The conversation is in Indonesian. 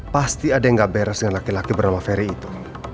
pasti ada yang gak beres dengan laki laki bernama ferry itu